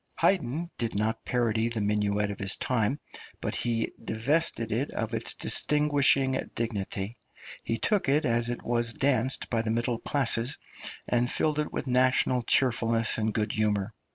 Haydn did not parody the minuet of his time, but he divested it of its distinguishing dignity; he took it as it was danced by the middle classes, and filled it with national cheerfulness and good humour.